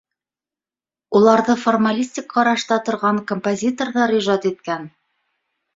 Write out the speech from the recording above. Уларҙы формалистик ҡарашта торған композиторҙар ижад иткән!